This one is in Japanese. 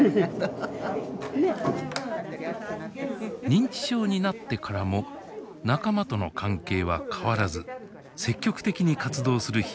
認知症になってからも仲間との関係は変わらず積極的に活動する日々を送っています。